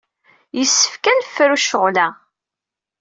Yessefk ad nefru ccɣel-a.